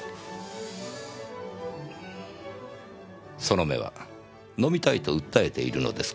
その目は飲みたいと訴えているのですか？